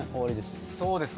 そうですね。